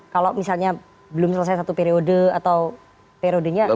kalau misalnya belum selesai satu periode atau periodenya